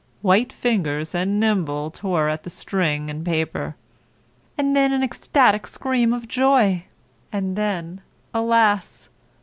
White fingers and nimble tore at the string and paper. And then an ecstatic scream of joy; and then, alas!